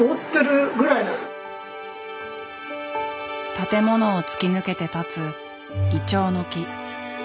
建物を突き抜けて立つイチョウの木。